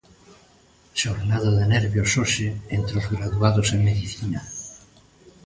Xornada de nervios hoxe entre os graduados en Medicina.